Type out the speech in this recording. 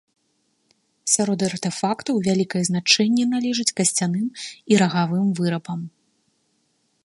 Сярод артэфактаў вялікае значэнне належыць касцяным і рагавым вырабам.